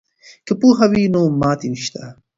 که پوهه وي نو ماتې نشته.